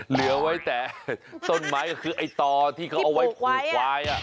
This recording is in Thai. เหลือไว้แต่ต้นไม้ก็คือไอ้ต่อที่เขาเอาไว้ผูกควาย